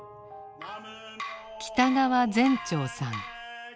北川前肇さん。